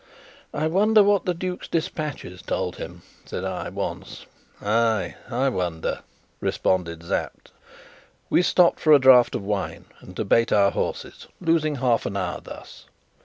"I wonder what the duke's despatches told him," said I, once. "Ay, I wonder!" responded Sapt. We stopped for a draught of wine and to bait our horses, losing half an hour thus.